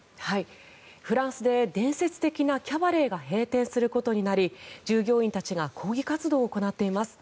フランスで伝説的なキャバレーが閉店することになり従業員たちが抗議活動を行っています。